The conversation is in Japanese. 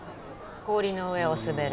氷の上を滑る。